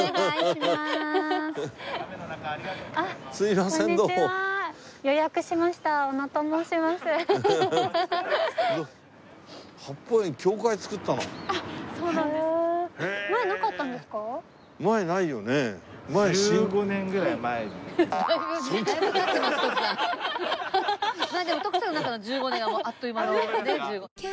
まあでも徳さんの中の１５年はもうあっという間のね。